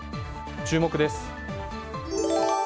注目です。